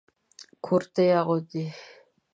کرتي اغوندئ